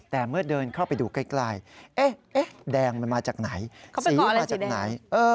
แต่เมื่อเดินเข้าไปดูใกล้แดงมันมาจากไหนสีมาจากไหน